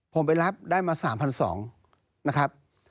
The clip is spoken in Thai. ผมไปรับได้มาสามพันสองนะครับ